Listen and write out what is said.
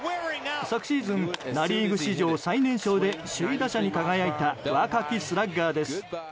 昨シーズンナ・リーグ史上最年少で首位打者に輝いた若きスラッガーです。